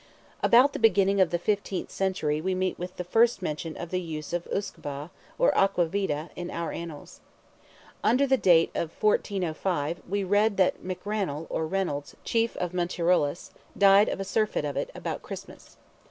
About the beginning of the fifteenth century we meet with the first mention of the use of Usquebagh, or Aqua Vitae, in our Annals. Under the date of 1405 we read that McRannal, or Reynolds, chief of Muntireolais, died of a surfeit of it, about Christmas.